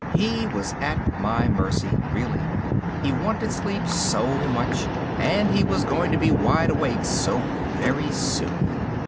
He was at my mercy, really. He wanted sleep so much. And he was going to be wide awake so very soon.